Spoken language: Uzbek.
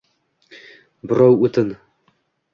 Birov o’tin